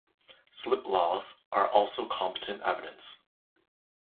Slip laws are also competent evidence.